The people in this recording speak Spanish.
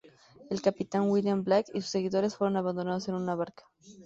El capitán William Bligh y sus seguidores fueron abandonados en una barca.